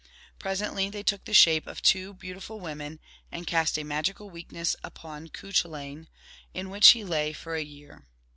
Presently they took the shape of two beautiful women, and cast a magical weakness upon Cuchullain, in which he lay for a year.